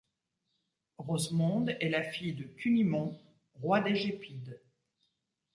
Rosemonde est la fille de Cunimond, roi des Gépides.